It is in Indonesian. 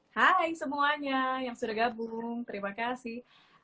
hai semuanya yang sudah gabung terima kasih